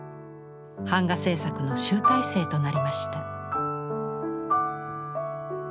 版画制作の集大成となりました。